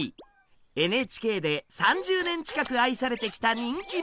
ＮＨＫで３０年近く愛されてきた人気者です。